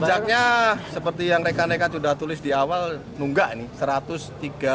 pajaknya seperti yang rekan rekan sudah tulis di awal nunggak nih